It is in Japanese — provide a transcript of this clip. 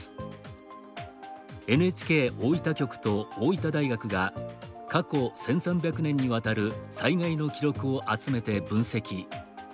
ＮＨＫ大分局と大分大学が過去１３００年にわたる災害の記録を集めて分析。